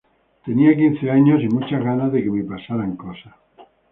Tenía quince años y muchas ganas de que me pasaran cosas.